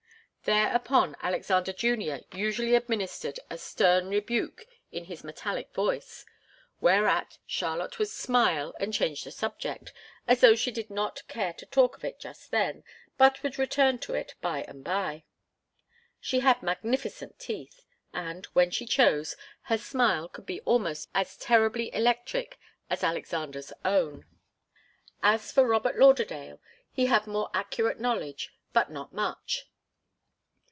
Thereupon, Alexander Junior usually administered a stern rebuke in his metallic voice, whereat Charlotte would smile and change the subject, as though she did not care to talk of it just then, but would return to it by and by. She had magnificent teeth, and, when she chose, her smile could be almost as terribly electric as Alexander's own. As for Robert Lauderdale, he had more accurate knowledge, but not much.